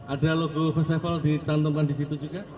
ada logo first travel dicantumkan disitu juga